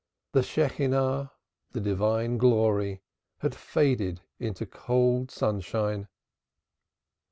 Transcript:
The Shechinah, the Divine Glory, had faded into cold sunshine.